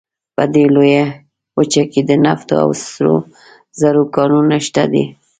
په دې لویه وچه کې د نفتو او سرو زرو کانونه شته دي.